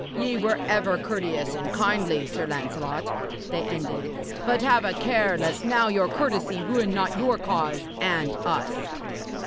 Ye were ever courteous and kindly, Sir Lancelot,' they ended, 'but have a care lest now your courtesy ruin not your cause and us.'